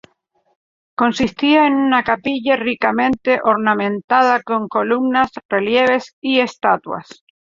Consistía en una capilla ricamente ornamentada con columnas, relieves y estatuas.